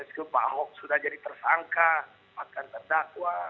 meskipun pak ahok sudah jadi tersangka akan terdakwa